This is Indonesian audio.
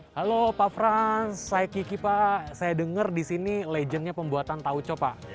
halo pak frans saya kiki pak saya dengar di sini legendnya pembuatan tauco pak